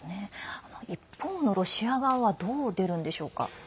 一方のロシア側はどう出るんでしょうか？